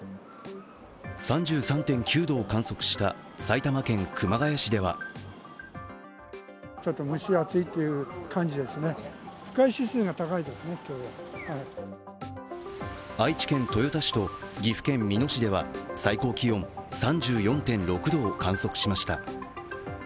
３３．９度を観測した埼玉県熊谷市では愛知県豊田市と岐阜県美濃市では最高気温３４．６度を観測しました。